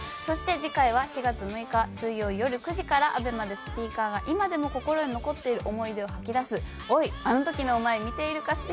そして次回は４月６日水曜よる９時からアベマでスピーカーが今でも心に残っている思い出を吐き出す「オイ！あの時のオマエ見てるか！？